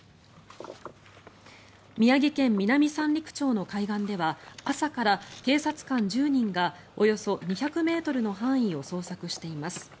宮城県南三陸町の海岸では朝から警察官１０人がおよそ２００ｍの範囲を捜索しています。